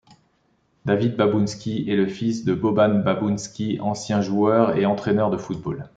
David Babunski est le fils de Boban Babunski, ancien joueur et entraîneur de football.